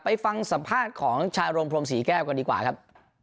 ไปฟังสัมภาษณ์ของชายโรงพรมศรีแก้วกันดีกว่าครับ